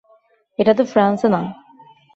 এটা তো ফ্রান্সে না।